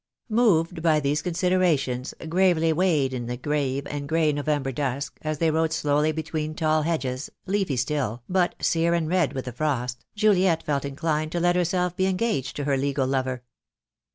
Moved by these considerations, gravely weighed in the grave and grey November dusk, as they rode slowly between tall hedges, leafy still, but sear and red with the frost, Juliet felt inclined to let herself be engaged to her legal lover.